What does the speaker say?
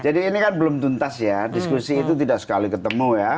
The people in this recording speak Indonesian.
jadi ini kan belum tuntas ya diskusi itu tidak sekali ketemu ya